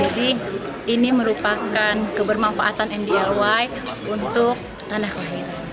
jadi ini merupakan kebermanfaatan mdlj untuk tanah lain